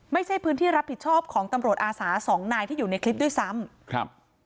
ไม่ใช่พื้นที่รับผิดชอบของตำรวจอาสาสองนายที่อยู่ในคลิปด้วยซ้ำครับ